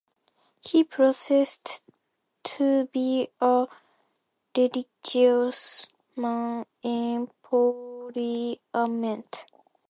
He professes to be a religious man in parliament.